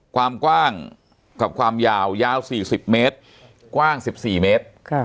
ความกว้างกับความยาวยาวสี่สิบเมตรกว้างสิบสี่เมตรค่ะ